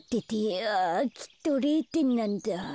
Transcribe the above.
あぁきっと０てんなんだ。